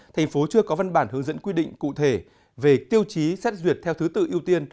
thành phố chưa có văn bản hướng dẫn quy định cụ thể về tiêu chí xét duyệt theo thứ tự ưu tiên